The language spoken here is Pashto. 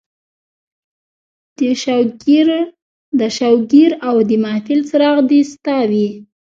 د شوګیراو د محفل څراغ دې ستا وي